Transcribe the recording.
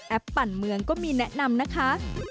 ปั่นเมืองก็มีแนะนำนะคะ